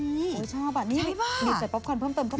แกชอบอ่ะนี่มีเสร็จป๊อปคอนเพิ่มเข้าไปอีก